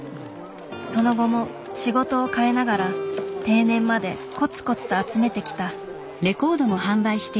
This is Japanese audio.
その後も仕事をかえながら定年までコツコツと集めてきた。